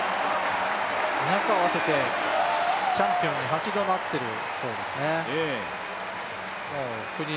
２００合わせてチャンピオンになっているそうですね。